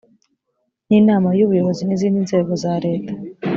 n inama y ubuyobozi n izindi nzego zareta